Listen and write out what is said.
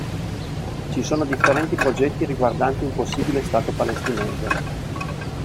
Ci sono differenti progetti riguardanti un possibile stato palestinese.